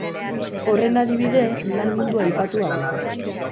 Horren adibide, lan mundu aipatua du.